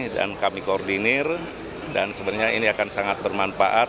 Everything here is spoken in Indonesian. dan kami koordinir dan sebenarnya ini akan sangat bermanfaat